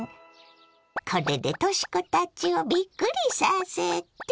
これでとし子たちをびっくりさせて。